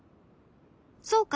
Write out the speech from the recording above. そうか。